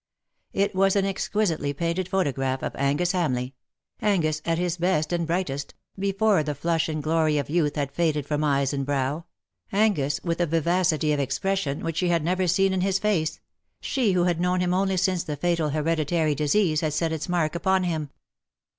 It was an exquisitely painted photograph of Angus Hamleigh — Angus at his best and brightest,, before the flush and glory of youth had faded from eyes and brow — Angus with a vivacity of expression which she had never seen in his face — she who had known him only since the fatal hereditary disease had set its mark upon him.